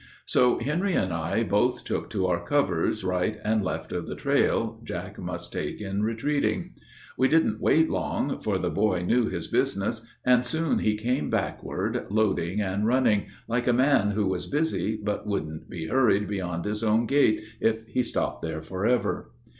So Henry and I both took to our covers Right and left of the trail Jack must take in retreating. We didn't wait long, for the boy knew his business, And soon he came backward, loading and running, Like a man who was busy but wouldn't be hurried Beyond his own gait, if he stopped there forever.